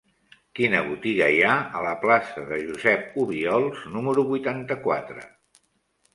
Quina botiga hi ha a la plaça de Josep Obiols número vuitanta-quatre?